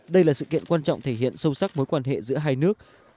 đây là sự kiện quan trọng thể hiện sâu sắc mối quan hệ giữa hai nước